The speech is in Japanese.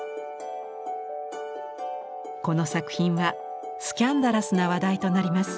この作品はスキャンダラスな話題となります。